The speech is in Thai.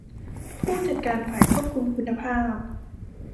ผู้จัดการฝ่ายควบคุมคุณภาพ